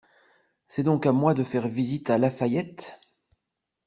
C'est donc à moi de faire visite à La Fayette!